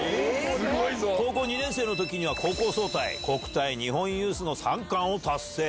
高校２年生のときには高校総体、国体、日本ユースの３冠を達成。